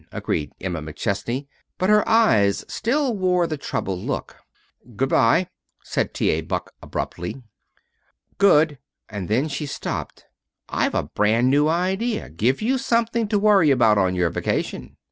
agreed Emma McChesney; but her eyes still wore the troubled look. "Good by," said T. A. Buck abruptly. "Good " and then she stopped. "I've a brand new idea. Give you something to worry about on your vacation."